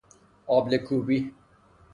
آبله کوبی